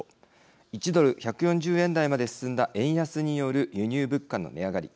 １ドル１４０円台まで進んだ円安による輸入物価の値上がり。